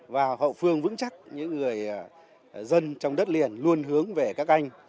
và hậu phương vững chắc những người dân trong đất liền luôn hướng về các anh